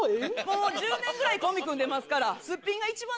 もう１０年ぐらいコンビ組んでますからスッピンが一番ね